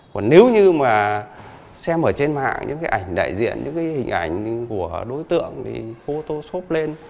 còn nếu như mà xem ở trên mạng những cái ảnh đại diện những cái hình ảnh của đối tượng đi photop lên